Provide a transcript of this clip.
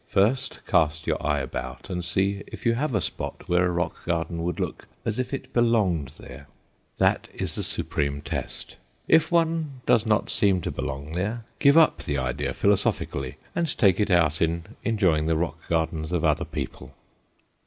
First cast your eye about and see if you have a spot where a rock garden would look as if it belonged there; that is the supreme test. If one does not seem to belong there, give up the idea philosophically and take it out in enjoying the rock gardens of other people.